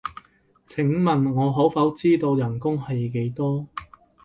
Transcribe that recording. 請問我可否知道人工係幾多？